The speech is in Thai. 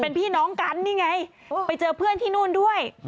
เป็นพี่น้องกันนี่ไงไปเจอเพื่อนที่นู่นด้วย